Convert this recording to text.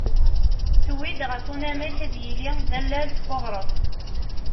tuwi-d ɣef uwanek ad yili d allal n uɣref.